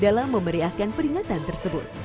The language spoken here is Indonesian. dalam memeriahkan peringatan tersebut